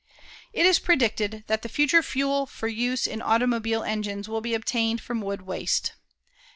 It is predicted that the future fuel for use in automobile engines will be obtained from wood waste.